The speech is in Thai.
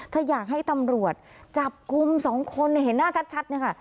ถ้าอยากให้ตำรวจจับกลุ่มสองคนเห็นหน้าชัดเนี่ยค่ะ